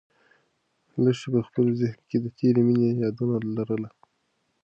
لښتې په خپل ذهن کې د تېرې مېنې یادونه لرل.